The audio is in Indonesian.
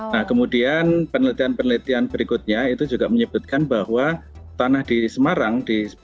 nah kemudian penelitian penelitian berikutnya itu juga menyebutkan bahwa tanah di semarang